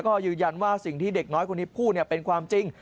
ก็ยืนยันว่าสิ่งที่เด็กน้อยคนนี้พูดเป็นความจริง